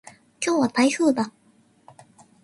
今日は台風だ。